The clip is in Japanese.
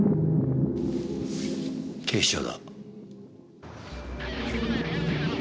警視庁だ。